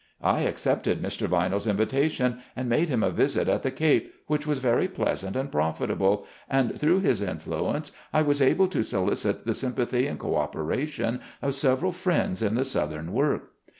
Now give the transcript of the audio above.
I accepted Mr. Vinell's invitation and made him a visit at the Cape, which was very pleasant and profit 130 SLAVE CABIN TO PULPIT. able, and through his influence I was able to solicit the sympathy and co operation of several friends in the southern work.